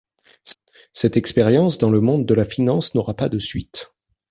Cette expérience dans le monde de la finance n'aura pas de suite.